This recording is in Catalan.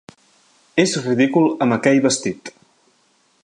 És ridícul amb aquell vestit.